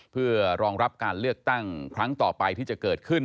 เพื่อรองรับการเลือกตั้งครั้งต่อไปที่จะเกิดขึ้น